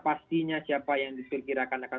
pastinya siapa yang diselekirakan akan